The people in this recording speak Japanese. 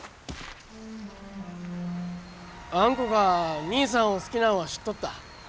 あんこが兄さんを好きなんは知っとった。